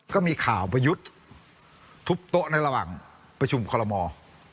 ก็มีข่าวประยุทธ์ทุบโต๊ะในระหว่างประชุมคอลโลมอร์